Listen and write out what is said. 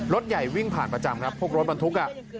รถใหญ่วิ่งผ่านประจำครับพวกรถบรรทุกอ่ะ